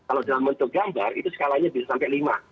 kalau dalam bentuk gambar itu skalanya bisa sampai lima